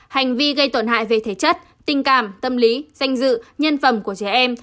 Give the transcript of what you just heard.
hành vi gây tổn hại về thể chất tình cảm tâm lý danh dự nhân phẩm của trẻ em